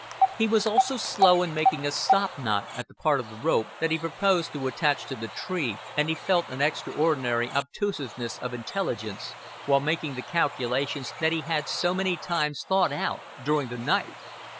He was also slow in making a stop knot at the part of the rope that he proposed to attach to the tree, and he felt an extraordinary obtuseness of intelligence while making the calculations that he had so many times thought out during the night.